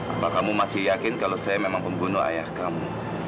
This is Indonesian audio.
apa kamu masih yakin kalau saya memang pembunuh ayah kamu